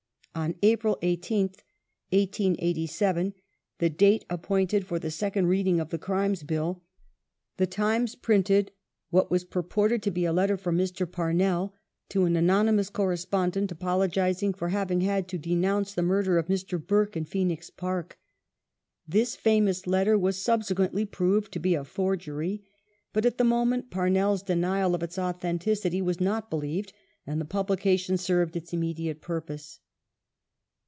On April 18th, 1887 — the date appointed for the Second Reading of the Crimes Bill — The Times printed what purported to be a letter from Mr. Parnell to an anonymous correspondent apolo gizing for having had to denounce the murder of Mr. Burke in Phcenix Park. This famous letter was subsequently proved to be a forgery ; but, at the moment, Parnell' s denial of its authenticity was not believed, and the publication served its immediate purpose.